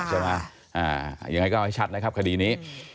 ใช่ไหมอ่ายังไงก็ให้ชัดนะครับคดีนี้